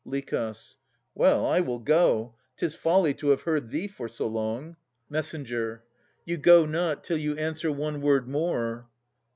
LICH. Well, I will go. 'Tis folly to have heard thee for so long. MESS. You go not till you answer one word more.